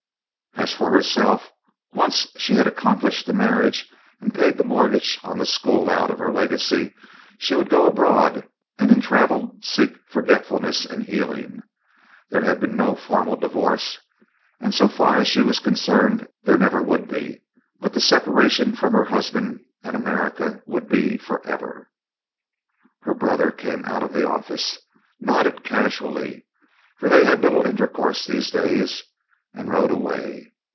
As for herself, once she had accomplished the marriage and paid the mortgage on the school out of her legacy, she would go abroad and in travel seek forgetfulness and healing. There had been no formal divorce, and so far as she was concerned there never would be; but the separation from her husband and America would be forever. Her brother came out of the office, nodded casually, for they had little intercourse these days, and rode away.